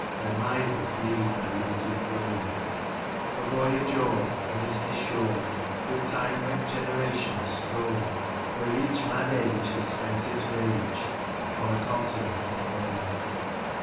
Where misers leave their loads of gold ; Edwin Waugh, 29 A voyage o*er ;— A misty shore, With time wrecked generations strown ; Where each mad age Has spent its rage Upon a continent unknown.